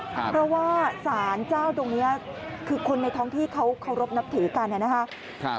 เพราะว่าสารเจ้าดงนี้คือคนในท้องที่เขารบนับถือกันค่ะนะคะ